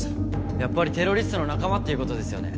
やっぱりテロリストの仲間っていうことですよね？